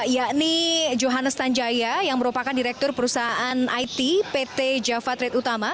yakni johannes tanjaya yang merupakan direktur perusahaan it pt java trade utama